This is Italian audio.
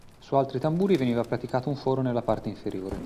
Su altri tamburi veniva praticato un foro nella parte inferiore.